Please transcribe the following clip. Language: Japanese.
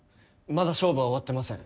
まだ勝負は終わってません。